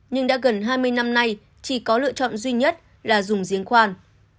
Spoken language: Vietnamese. nhưng đã gần hai mươi năm nay chỉ có lựa chọn duy nhất là dùng giếng khoan